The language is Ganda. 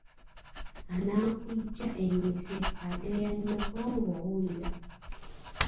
Anaakuggya emizze, ageya nnyoko ng’owulira.